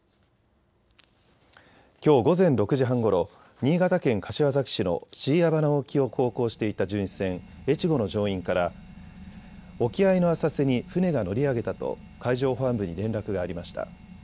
きょう午前６時半ごろ、新潟県柏崎市の椎谷鼻沖を航行していた巡視船えちごの乗員から沖合の浅瀬に船が乗り上げたと海上保安部に連絡がありました。